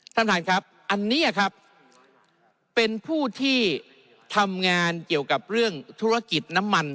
ท่านท่านครับอันนี้ครับเป็นผู้ที่ทำงานเกี่ยวกับเรื่องธุรกิจน้ำมัน